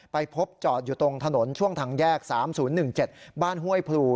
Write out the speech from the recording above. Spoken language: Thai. ไปพบจอดอยู่ตรงถนนช่วงทางแยก๓๐๑๗บ้านห้วยพลู